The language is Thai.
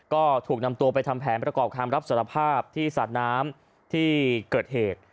ก็ถูกนำตัวไปทำแผนประกอบคำรับสารภาพที่สระน้ำที่เกิดเหตุ